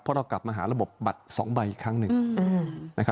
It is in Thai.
เพราะเรากลับมาหาระบบบัตร๒ใบอีกครั้งหนึ่ง